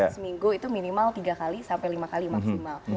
seminggu itu minimal tiga kali sampai lima kali maksimal